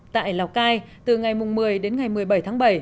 tại lào cai từ ngày một mươi đến ngày một mươi bảy tháng bảy